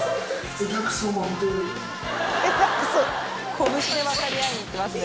拳で分かり合いに行ってますね。